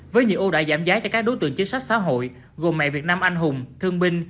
với nhiều ưu đại giảm giá cho các đối tượng chính sách xã hội gồm mẹ việt nam anh hùng thương binh